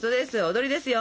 踊りですよ。